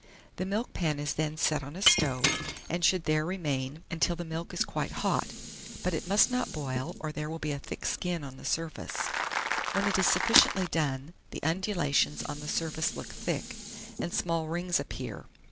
The milkpan is then set on a stove, and should there remain until the milk is quite hot; but it must not boil, or there will be a thick skin on the surface. When it is sufficiently done, the undulations on the surface look thick, and small rings appear.